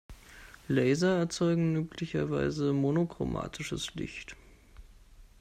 Laser erzeugen üblicherweise monochromatisches Licht.